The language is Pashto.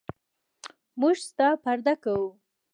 موږ ستا پرده کوو.